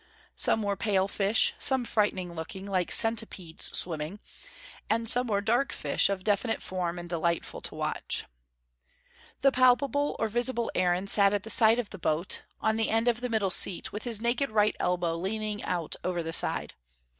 Some were pale fish, some frightening looking, like centipedes swimming, and some were dark fish, of definite form, and delightful to watch. The palpable or visible Aaron sat at the side of the boat, on the end of the middle seat, with his naked right elbow leaning out over the side.